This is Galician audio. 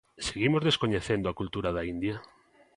Seguimos descoñecendo a cultura da India?